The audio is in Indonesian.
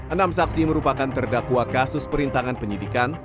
enam saksi merupakan terdakwa kasus perintangan penyidikan